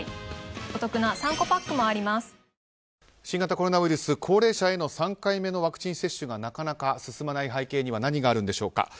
新型コロナウイルス高齢者への３回目のワクチン接種がなかなか進まない背景には何があるんでしょうか。